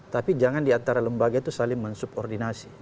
tapi jangan diantara lembaga itu saling mensubordinasi